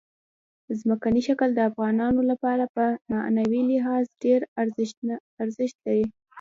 ځمکنی شکل د افغانانو لپاره په معنوي لحاظ ډېر ارزښت لري.